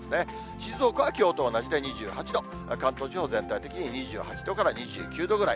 静岡はきょうと同じて２８度、関東地方、全体的に２８度から２９度ぐらい。